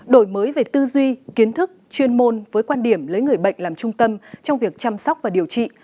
đổi mới về tư duy kiến thức chuyên môn với quan điểm lấy người bệnh làm trung tâm trong việc chăm sóc và điều trị